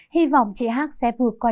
hy vọng chị h sẽ vượt qua